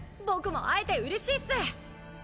僕も会えてうれしいっす。